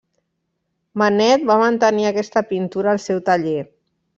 Manet va mantenir aquesta pintura al seu taller.